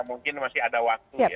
mungkin masih ada waktu